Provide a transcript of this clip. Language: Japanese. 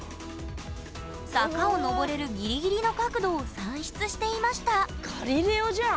坂をのぼれるギリギリの角度を算出していましたガリレオじゃん。